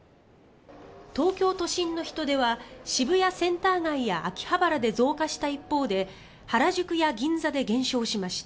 東京都心の人出は渋谷センター街や秋葉原で増加した一方で原宿や銀座で減少しました。